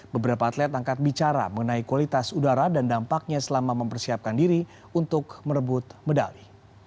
beberapa atlet angkat bicara mengenai kualitas udara dan dampaknya selama mempersiapkan diri untuk merebut medali